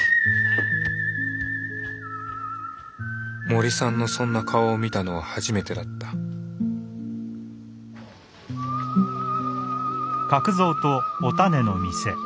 森さんのそんな顔を見たのは初めてだったごめんよ。